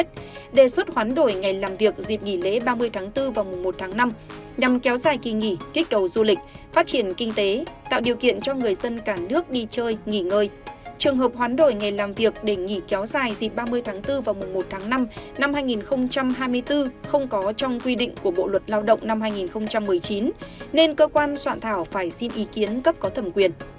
trường hợp hoán đổi nghề làm việc để nghỉ kéo dài dịp ba mươi tháng bốn vào mùng một tháng năm năm hai nghìn hai mươi bốn không có trong quy định của bộ luật lao động năm hai nghìn một mươi chín nên cơ quan soạn thảo phải xin ý kiến cấp có thẩm quyền